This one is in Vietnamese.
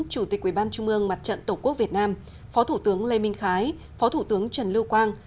chủ tịch ủy ban trung ương mặt trận tổ quốc việt nam phó thủ tướng lê minh khái phó thủ tướng trần lưu quang